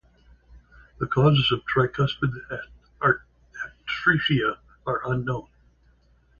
The causes of Tricupsid atresia are unknown.